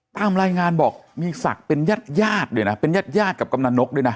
ตามรายงานบอกมีศักดิ์เป็นญาติญาติด้วยนะเป็นญาติญาติกับกำนันนกด้วยนะ